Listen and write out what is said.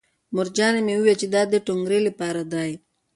مورجانې مې وویل چې دا د ټونګرې لپاره دی